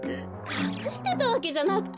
かくしてたわけじゃなくてね。